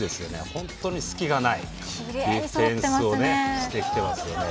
本当に隙がないディフェンスをしてきてますよね。